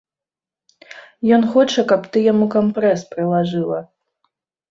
Ён хоча, каб ты яму кампрэс прылажыла.